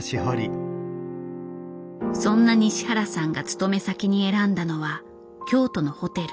そんな西原さんが勤め先に選んだのは京都のホテル。